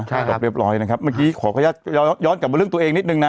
ใช่จบเรียบร้อยนะครับเมื่อกี้ขออนุญาตย้อนกลับมาเรื่องตัวเองนิดนึงนะ